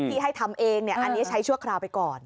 ที่ให้ทำเองอันนี้ใช้ชั่วคราวไปก่อน